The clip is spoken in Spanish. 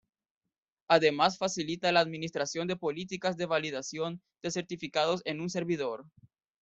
Además facilita la administración de políticas de validación de certificados en un servidor.